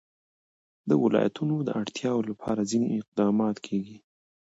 د ولایتونو د اړتیاوو لپاره ځینې اقدامات کېږي.